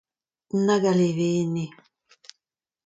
Nag a levenez !